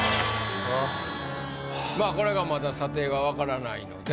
まぁこれがまだ査定が分からないので。